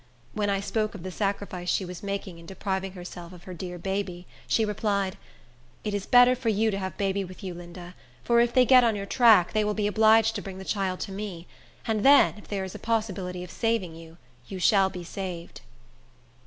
When I spoke of the sacrifice she was making, in depriving herself of her dear baby, she replied, "It is better for you to have baby with you, Linda; for if they get on your track, they will be obliged to bring the child to me; and then, if there is a possibility of saving you, you shall be saved."